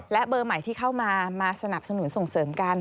และเบอร์ใหม่ที่เข้ามามาสนับสนุนส่งเสริมกัน